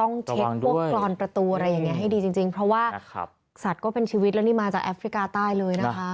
ต้องเช็ดพวกกรอนประตูอะไรอย่างนี้ให้ดีจริงเพราะว่าสัตว์ก็เป็นชีวิตแล้วนี่มาจากแอฟริกาใต้เลยนะคะ